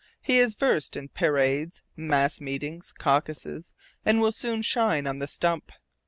He is versed in parades, mass meetings, caucuses, and will soon shine on the stump.